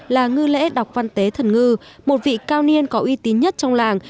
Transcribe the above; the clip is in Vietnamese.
là ngư lễ đọc văn tế thần ngư một vị cao niên có uy tín nhất trong làng